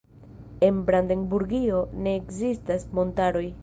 En Brandenburgio ne ekzistas montaroj.